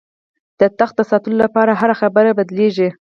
د تخت د ساتلو لپاره هره خبره بدلېږي.